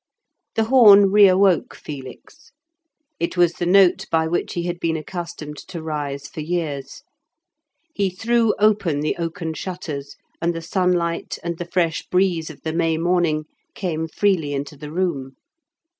The horn re awoke Felix; it was the note by which he had been accustomed to rise for years. He threw open the oaken shutters, and the sunlight and the fresh breeze of the May morning came freely into the room.